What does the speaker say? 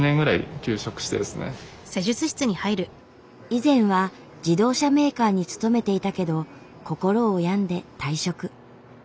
以前は自動車メーカーに勤めていたけど心を病んで退職。